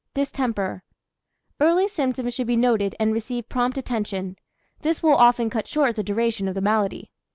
DISTEMPER. Early symptoms should be noted and receive prompt attention; this will often cut short the duration of the malady.